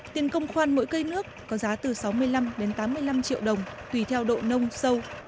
tiền công khoan mỗi cây nước có giá từ sáu mươi năm đến tám mươi năm triệu đồng tùy theo độ nông sâu